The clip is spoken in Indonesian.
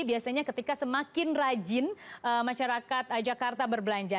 biasanya ketika semakin rajin masyarakat jakarta berbelanja